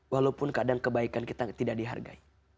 walaupun kadang kebaikan kita tidak dihargai